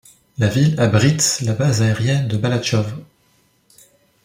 La ville abrite la base aérienne de Balachov.